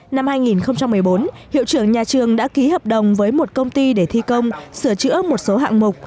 năm hai nghìn một mươi bốn hiệu trưởng nhà trường đã ký hợp đồng với một công ty để thi công sửa chữa một số hạng mục